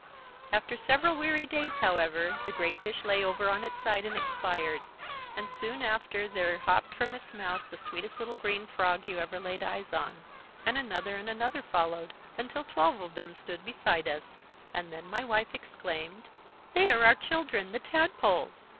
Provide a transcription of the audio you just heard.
After several weary days, however, the great fish lay over on its side and expired, and soon after there hopped from its mouth the sweetest little green frog you ever laid eyes on. Another and another followed, until twelve of them stood beside us; and then my wife exclaimed: "'They are our children, the tadpoles!